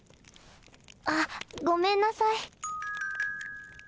あっごめんなさい。